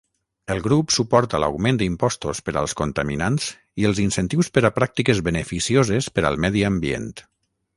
El grup suporta l'augment d'impostos per als contaminants i els incentius per a pràctiques beneficioses per al medi ambient.